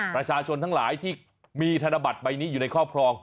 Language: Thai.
ประชาชนทั้งหลายที่มีธนบัตรใบนี้อยู่ในครอบครอง